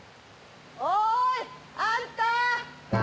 おーいあんた！